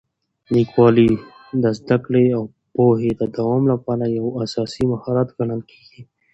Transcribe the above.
لیکوالی د زده کړې او پوهې د دوام لپاره یو اساسي مهارت ګڼل کېږي.